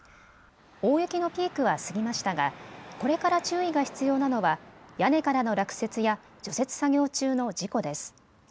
大雪のピークは過ぎましたがこれから注意が必要なのは屋根からの落雪や除雪作業中の事故です。